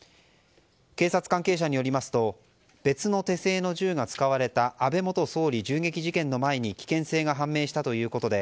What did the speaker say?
警察関係者によりますと別の手製の銃が使われた安倍元総理銃撃事件の前に危険性が判明したということで